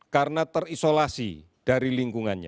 karena terisolasi dari lingkungannya